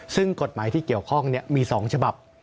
ซึ่งกฎหมายที่เกี่ยวข้องมี๒ฉบับ